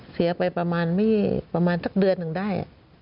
เสียไปประมาณทักเดือนหนึ่งได้